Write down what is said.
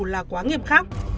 là quá nghiêm khắc